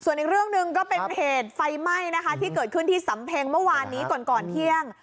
ส่วนอีกเรื่องหนึ่งก็เป็นเหตุไฟไหม้นะคะที่เกิดขึ้นที่สำเพ็งเมื่อวานนี้ก่อนก่อนเที่ยง